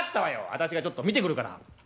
私がちょっと見てくるから。